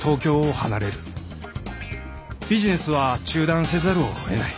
ビジネスは中断せざるを得ない。